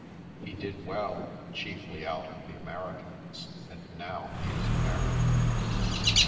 He did well, chiefly out of the Americans, and now he is mayor."